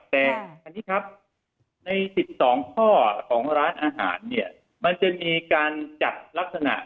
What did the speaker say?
แต่ใน๑๒ข้อของร้านอาหารมันจะมีการจัดลักษณะ